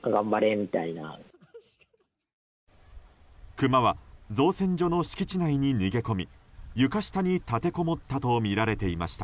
クマは造船所の敷地内に逃げ込み床下に立てこもったとみられていました。